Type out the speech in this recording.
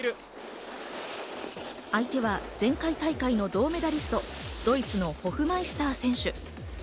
相手は前回大会の銅メダリスト、ドイツのホフマイスター選手。